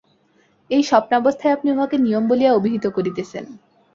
এই স্বপ্নাবস্থায় আপনি উহাকে নিয়ম বলিয়া অভিহিত করিতেছেন।